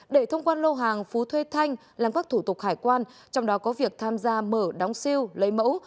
để thông quan lô hàng phú thuê thanh làm các thủ tục hải quan trong đó có việc tham gia mở đóng siêu lấy mẫu